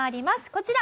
こちら！